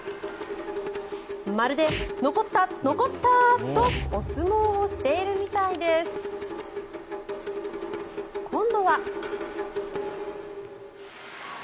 まるで、のこった、のこったとお相撲をしているみたいです。今度は。